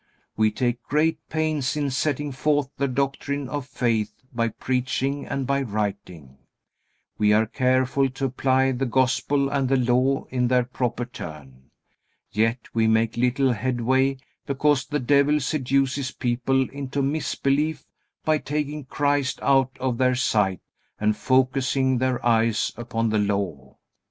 We take great pains in setting forth the doctrine of faith by preaching and by writing. We are careful to apply the Gospel and the Law in their proper turn. Yet we make little headway because the devil seduces people into misbelief by taking Christ out of their sight and focusing their eyes upon the Law.